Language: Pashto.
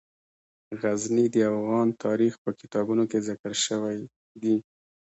غزني د افغان تاریخ په کتابونو کې ذکر شوی دي.